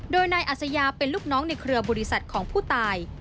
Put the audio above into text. โดยนายอัศยาเป็นลูกน้องในเครือบริษัทของผู้ตาย